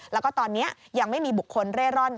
แล้วก็ตอนนี้ยังไม่มีบุคคลเร่ร่อน